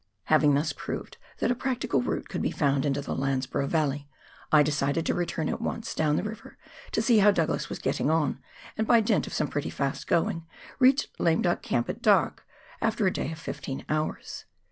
Having thus proved that a practical route could be found into the Landsborough Valley, I decided to return at once down the river to see how Douglas was getting on, and by dint of some pretty fast going, reached Lame Duck Camp at dark, after a day of fifteen hours.